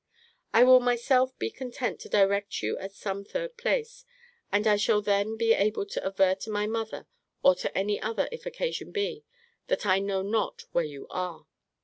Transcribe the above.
I will myself be content to direct you at some third place; and I shall then be able to aver to my mother, or to any other, if occasion be, that I know not where you are.